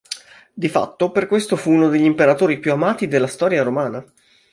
Di fatto per questo fu uno degli imperatori più amati della storia romana.